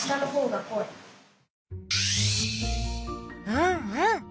うんうん。